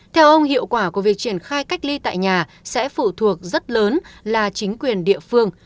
theo ông hiệu quả của việc triển khai cách ly tại nhà sẽ phụ thuộc rất lớn là chính quyền địa phương